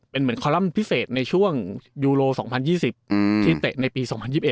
เป็นคอลัมป์พิเศษในช่วงยูโร๒๐๒๐ธิเตะในปี๒๐๒๑